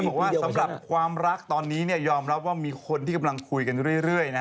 บอกว่าสำหรับความรักตอนนี้ยอมรับว่ามีคนที่กำลังคุยกันเรื่อยนะ